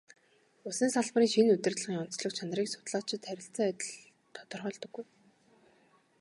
Улсын салбарын шинэ удирдлагын онцлог чанарыг судлаачид харилцан адил тодорхойлдоггүй.